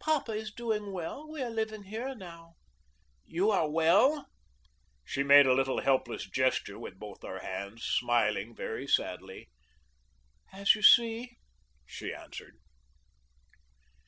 Papa is doing well. We are living here now." "You are well?" She made a little helpless gesture with both her hands, smiling very sadly. "As you see," she answered.